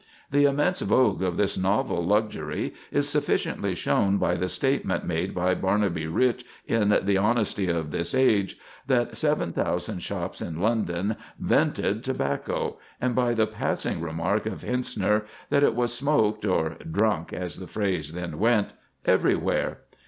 The immense vogue of this novel luxury is sufficiently shown by the statement made by Barnaby Riche in "The Honesty of this Age," that seven thousand shops in London "vented" tobacco, and by the passing remark of Hentzner, that it was smoked (or "drunk," as the phrase then went) everywhere.